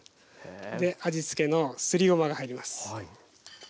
味つけのすりごまが入ります。